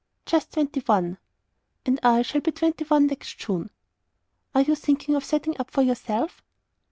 "Just twenty one." "And I shall be twenty one next June." "Are you thinking of setting up for yourself?"